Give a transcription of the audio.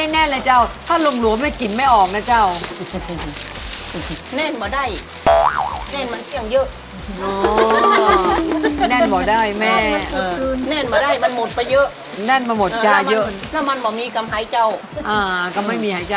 แก่กว่าชาเขาเป็นเมี่ยงเมี่ยงมีเป็นนาฬิกของคนที่เมี่ยค่ะ